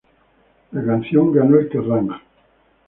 La canción ganó el Kerrang!